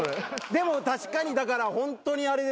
でも確かにだからホントにあれですよ。